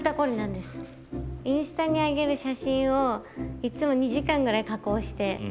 インスタに上げる写真をいつも２時間ぐらい加工して。